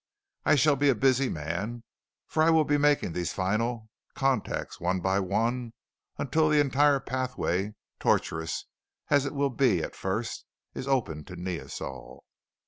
I shall be a busy man, for I will be making these final, contacts one by one until the entire pathway tortuous as it will be at first is open to Neosol.